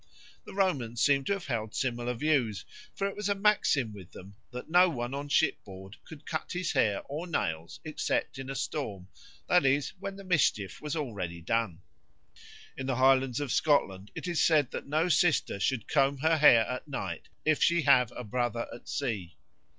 The Romans seem to have held similar views, for it was a maxim with them that no one on shipboard should cut his hair or nails except in a storm, that is, when the mischief was already done. In the Highlands of Scotland it is said that no sister should comb her hair at night if she have a brother at sea.